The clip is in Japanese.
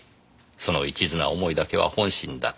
その一途な思いだけは本心だった。